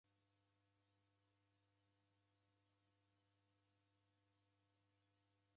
Vifumbu viw'ishi vechurilwa.